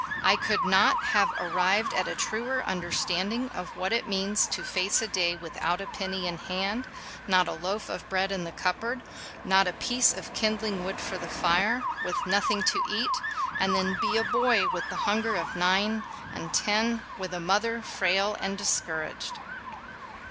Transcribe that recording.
I could not have ar rived at a truer understanding of what it means to face a day without a penny in hand, not a loaf of bread in the cup board, not a piece of kindling wood for the fire ŌĆö with nothing to eat, and then be a boy with the hunger of nine and ten, with a mother frail and discour aged!